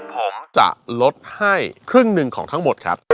ผมจะลดให้ครึ่งหนึ่งของทั้งหมดครับ